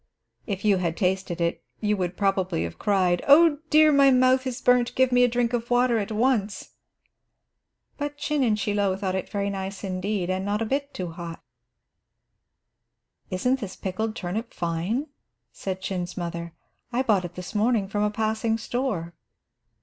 If you had tasted it, you would probably have cried: "Oh dear, my mouth is burnt; give me a drink of water at once." But Chin and Chie Lo thought it very nice indeed, and not a bit too hot. "Isn't this pickled turnip fine?" said Chin's mother. "I bought it this morning from a passing store."